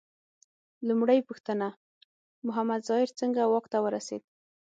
لومړۍ پوښتنه: محمد ظاهر څنګه واک ته ورسېد؟